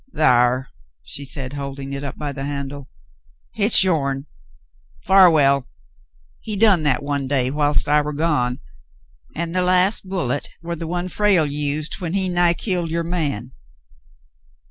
"Thar," she said, holding it out by the handle, "hit's yourn. Farwell, he done that one day whilst I war gone, an' the last bullet war the one Frale used when he nigh killed your man.